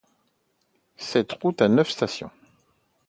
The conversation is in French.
Cette route a neuf stations.